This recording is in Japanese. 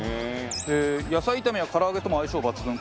野菜炒めや唐揚げとも相性抜群。